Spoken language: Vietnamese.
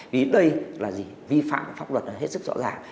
vì đây là gì vi phạm pháp luật là hết sức rõ ràng